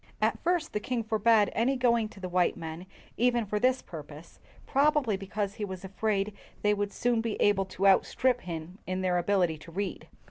At first the king forbade any going to the white men even for this purpose, probably because he was afraid they would soon be able to outstrip him in their ability to read.